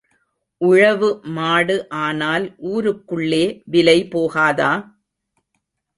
உழவு மாடு ஆனால் ஊருக்குள்ளே விலை போகாதா?